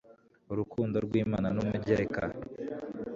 urukundo rw imana n umugereka